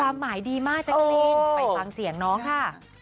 ความหมายดีมากเจ้าคลีนไปฟังเสียงน้องค่ะ